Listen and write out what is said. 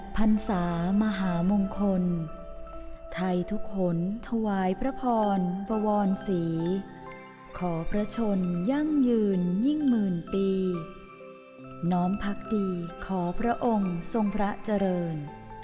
พรรษามหามงคลไทยทุกหนถวายพระพรบวรศรีขอพระชนยั่งยืนยิ่งหมื่นปีน้อมพักดีขอพระองค์ทรงพระเจริญ